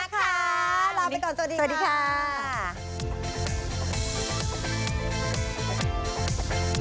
โปรดติดตามตอนต่อไป